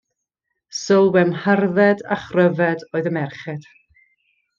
Sylwem hardded a chryfed oedd y merched.